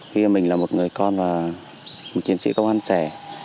vì mình là một người con và một chiến sĩ công an sẻ